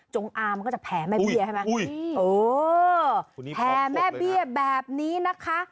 จงอางมันก็จะแผลแม่เบี้ยแผลแม่เบี้ยแบบนี้นะคะ